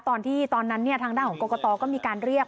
ตอนนั้นทางด้านของกรกตก็มีการเรียก